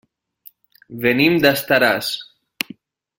Venim d'Estaràs.